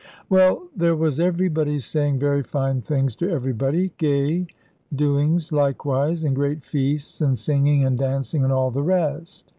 "Well, there was everybody saying very fine things to everybody, gay doings likewise, and great feasts, and singing, and dancing, and all the rest.